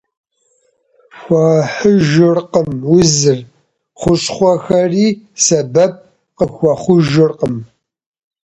Хуэхьыжыркъым узыр, хущхъуэхэри сэбэп къыхуэхъужыркъым.